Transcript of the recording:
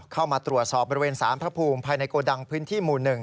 เข้ามาตรวจสอบบริเวณสารพระภูมิภายในโกดังพื้นที่หมู่๑